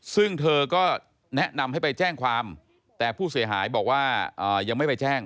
ซึ่งเธอก็แนะนำให้ไปแจ้งความแต่ผู้เสียหายบอกว่ายังไม่ไปแจ้ง